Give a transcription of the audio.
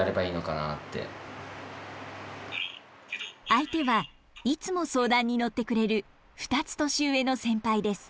相手はいつも相談に乗ってくれる２つ年上の先輩です。